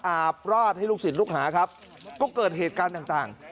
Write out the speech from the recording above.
อาบราดให้ลูกศิษย์ลูกหาครับก็เกิดเหตุการณ์ต่าง